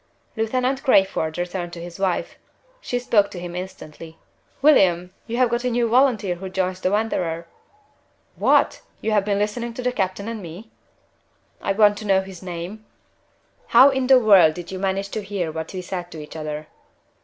Lieutenant Crayford returned to his wife. She spoke to him instantly. "William! you have got a new volunteer who joins the Wanderer?" "What! you have been listening to the captain and me?" "I want to know his name?" "How in the world did you manage to hear what we said to each other?"